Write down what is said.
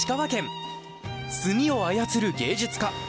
墨を操る芸術家。